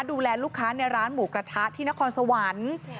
ดูแลลูกค้าในร้านหมูกระทะที่นครสวรรค์